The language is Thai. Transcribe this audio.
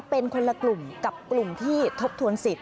เป็นคนละกลุ่มกับกลุ่มที่ทบทวนสิทธิ